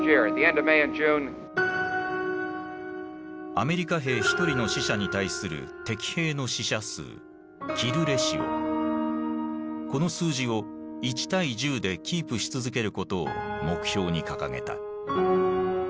アメリカ兵１人の死者に対する敵兵の死者数この数字を１：１０でキープし続けることを目標に掲げた。